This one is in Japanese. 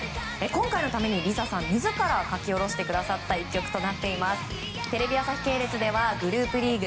今回のためにＬｉＳＡさん自ら書き下ろしてくださった一曲です。